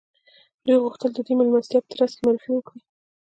دوی غوښتل د دې مېلمستیا په ترڅ کې معرفي وکړي